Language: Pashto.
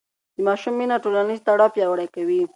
د ماشوم مینه ټولنیز تړاو پیاوړی کوي.